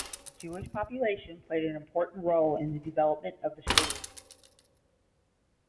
The Jewish population played an important role in the development of the city.